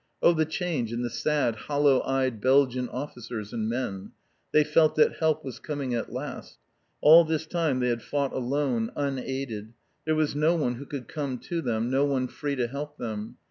Oh, the change in the sad, hollow eyed Belgian officers and men! They felt that help was coming at last. All this time they had fought alone, unaided. There was no one who could come to them, no one free to help them.